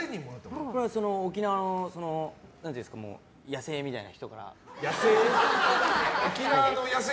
沖縄の野生みたいな人から。